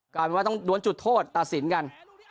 กลายเป็นว่าต้องด้วนจุดโทษตัดสินกัน